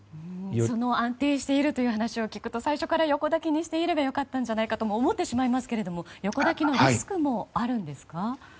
その安定しているという話を聞くと最初から横抱きにしていればよかったんじゃないかと思ってしまうんですけど横抱きのリスクもあるんですか？